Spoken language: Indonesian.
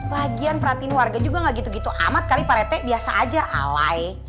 lagian perhatiin warga juga gak gitu gitu amat kali pak rete biasa aja alai